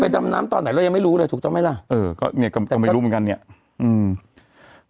ดำน้ำตอนไหนเรายังไม่รู้เลยถูกต้องไหมล่ะเออก็เนี้ยก็ยังไม่รู้เหมือนกันเนี้ยอืม